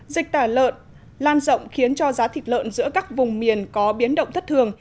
dịch tả lợn lan rộng khiến cho giá thịt lợn giữa các vùng miền có biến động thất thường